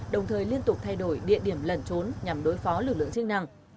đồng thời liên tục thay đổi địa điểm lẩn trốn nhằm đối phó lực lượng chức năng